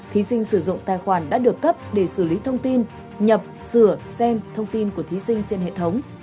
thí sinh sử dụng tài khoản đã được cấp để xử lý thông tin nhập sửa xem thông tin của thí sinh trên hệ thống